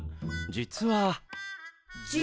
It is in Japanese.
実は？